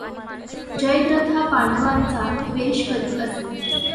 जयद्रथ हा पांडवांचा द्वेष करीत असे.